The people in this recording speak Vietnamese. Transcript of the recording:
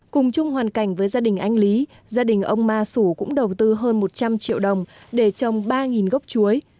cùng chung hoàn cảnh với gia đình anh lý gia đình ông ma sủ cũng đầu tư hơn một trăm linh triệu đồng để trồng ba gốc chuối